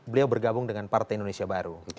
beliau bergabung dengan partai indonesia baru